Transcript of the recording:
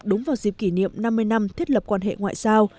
đúng vào dịp kỷ niệm năm mươi năm thiết lập quan hệ ngoại giao